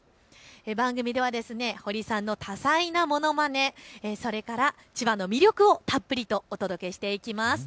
番組ではホリさんの多彩なものまね、それから千葉の魅力をたっぷりとお届けしていきます。